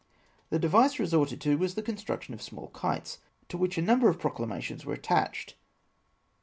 The device resorted to was the construction of small kites, to which a number of proclamations were at tached.